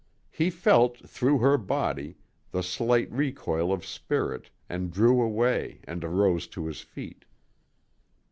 He felt, through her body, the slight recoil of spirit, and drew away, and arose to his feet.